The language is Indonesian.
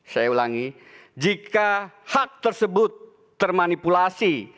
saya ulangi jika hak tersebut termanipulasi